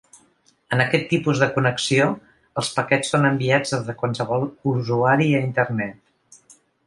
En aquest tipus de connexió, els paquets són enviats des de qualsevol usuari a Internet.